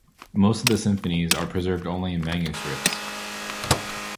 Most of the symphonies are preserved only in manuscripts.